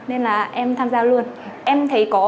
nên là em tham gia luôn em thấy có